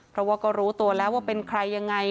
เพราะว่าก็รู้ตัวแล้วว่าเป็นใครยังไง